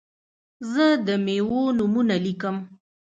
زه د میوو نومونه لیکم.